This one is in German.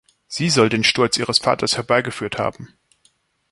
Sie soll den Sturz ihres Vaters herbeigeführt haben.